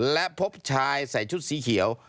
และพบชายใส่ชุดสีเขียว